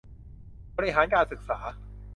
บริหารการศึกษา